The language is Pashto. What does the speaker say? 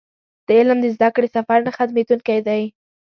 د علم د زده کړې سفر نه ختمېدونکی دی.